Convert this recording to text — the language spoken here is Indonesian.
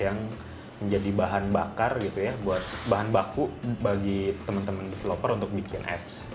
yang menjadi bahan bakar bahan baku bagi teman teman developer untuk bikin apps